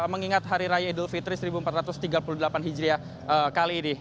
mengingat hari raya idul fitri seribu empat ratus tiga puluh delapan hijriah kali ini